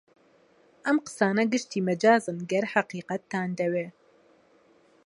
ئەم قسانە گشتی مەجازن گەر حەقیقەتتان دەوێ